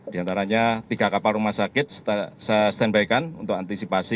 di antaranya tiga kapal rumah sakit saya stand by kan untuk antisipasi